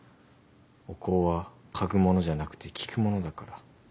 お香は嗅ぐものじゃなくて聞くものだから。